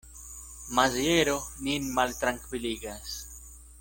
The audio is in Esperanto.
Maziero nin maltrankviligas.